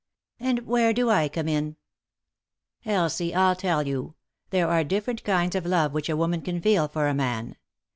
"And where do I come in?" " Elsie, 111 tell you. There are different kinds of love which a woman can feel for a man.